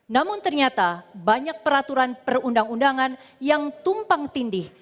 namun ternyata banyak peraturan perundang undangan yang tumpang tindih